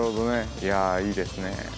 いやあいいですねえ。